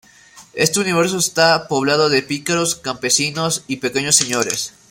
Este universo está poblado de pícaros, campesinos y pequeños señores.